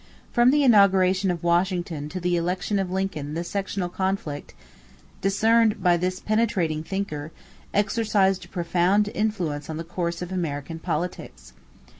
From the inauguration of Washington to the election of Lincoln the sectional conflict, discerned by this penetrating thinker, exercised a profound influence on the course of American politics.